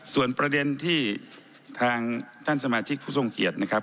ส่วนประเด็นที่ทางท่านสมาชิกผู้ทรงเกียรตินะครับ